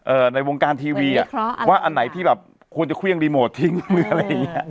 ในวงการทีวีอ่ะเพราะว่าอันไหนที่แบบควรจะเครื่องรีโมททิ้งหรืออะไรอย่างเงี้ย